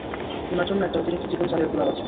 উনার জন্য একটা অতিরিক্ত চিকন চালের পোলাও আছে।